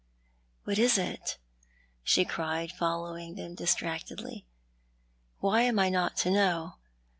" What is it ?" she cried, following them distractedly. " Why am I not to know